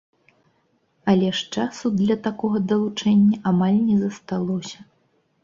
Але ж часу для такога далучэння амаль не засталося.